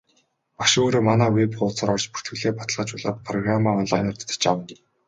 Багш өөрөө манай веб хуудсаар орж бүртгэлээ баталгаажуулаад программаа онлайнаар татаж авна.